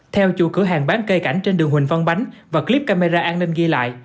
theo chủ cửa hàng bán cây cảnh trên đường huỳnh văn bánh và clip camera an ninh ghi lại